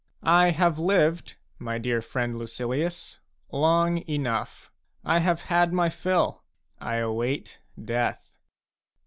. I have lived, my dear friend Lucilius, long enough. I have had my fill a ; I await death.